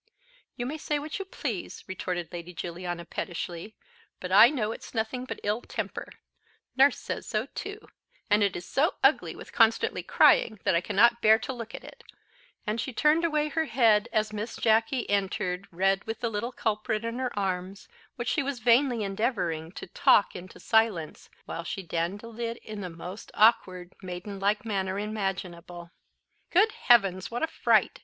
"You may say what you please," retorted Lady Juliana pettishly; "but I know it's nothing but ill temper: nurse says so too; and it is so ugly with constantly crying that I cannot bear to look at it;" and she turned away her head as Miss Jacky entered with the little culprit in her arms, which she was vainly endeavouring to _talk _into silence, while she dandled it in the most awkward maiden like manner imaginable. "Good heavens! what a fright!"